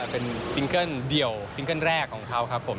เป็นซิงเกิ้ลเดี่ยวซิงเกิ้ลแรกของเขาครับผม